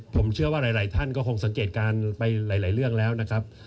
ผมเชื่อว่าหลายท่านก็คงสังเกตการณ์ไปหลายเรื่องแล้วนะครับ